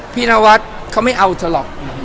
นวัดเขาไม่เอาเธอหรอก